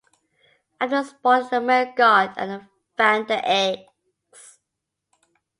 After spawning the male guard and fan the eggs.